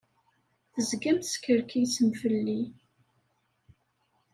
Tezgam teskerkisem fell-i.